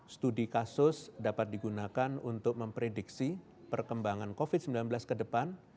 studi kasus dapat digunakan untuk memprediksi perkembangan covid sembilan belas ke depan